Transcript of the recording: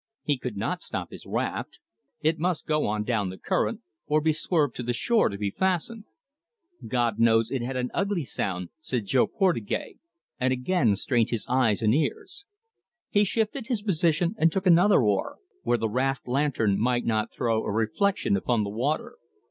He could not stop his raft. It must go on down the current, or be swerved to the shore, to be fastened. "God knows, it had an ugly sound," said Jo Portugais, and again strained his eyes and ears. He shifted his position and took another oar, where the raft lantern might not throw a reflection upon the water.